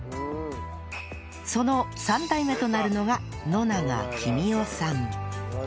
その３代目となるのが野永喜三夫さん